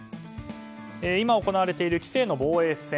今行われている棋聖の防衛戦。